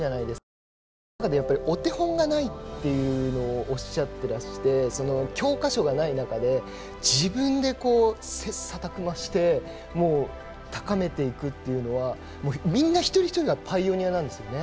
その中でお手本がないというのをおっしゃってらして教科書がない中で自分で切さたく磨して高めていくというのはみんな一人一人がパイオニアなんですよね。